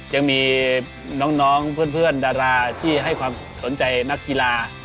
ยังมีน้องเพื่อนดาราที่ให้ความสนใจนักกีฬา